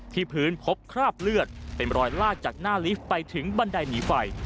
พื้นพบคราบเลือดเป็นรอยลากจากหน้าลิฟต์ไปถึงบันไดหนีไฟ